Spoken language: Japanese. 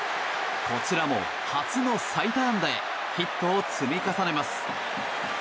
こちらも初の最多安打へヒットを積み重ねます。